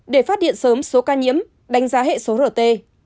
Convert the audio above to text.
để phát hiện sớm số ca nhiễm đánh giá hệ số rt